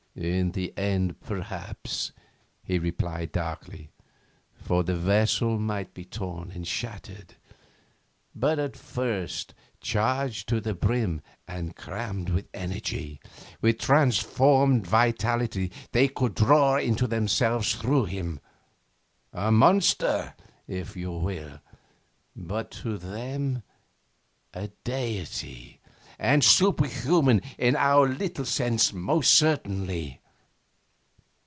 'In the end, perhaps,' he replied darkly, 'for the vessel might be torn and shattered. But at first charged to the brim and crammed with energy with transformed vitality they could draw into themselves through him. A monster, if you will, but to them a deity; and superhuman, in our little sense, most certainly.